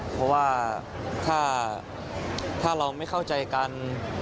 เพราะว่าถ้าเราไม่เข้าใจกัน